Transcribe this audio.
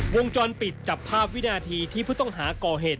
วงจรปิดจับภาพวินาทีที่ผู้ต้องหาก่อเหตุ